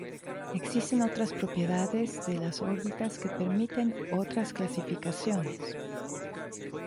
Existen otras propiedades de las órbitas que permiten otras clasificaciones.